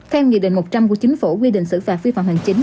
theo nghị định một trăm linh của chính phủ quy định xử phạt vi phạm hành chính